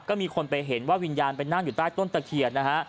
ก็มีคนไปเห็นว่าวิญญาณไปนั่งอยู่ใต้ต้นตะเคียนนะฮะ